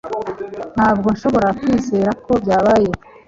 Ntabwo nshobora kwizera ko byabaye